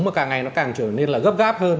mà càng ngày nó càng trở nên là gấp gáp hơn